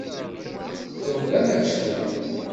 Tṛebbam aksum.